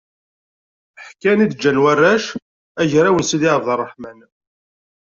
Ḥkan i d-ǧǧan warrac, agraw n Si Ɛebdrreḥman.